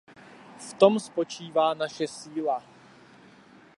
V tom spočívá naše síla!